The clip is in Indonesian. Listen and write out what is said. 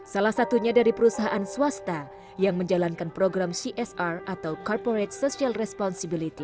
salah satunya dari perusahaan swasta yang menjalankan program csi